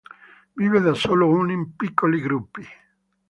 Vive da solo o in piccoli gruppi.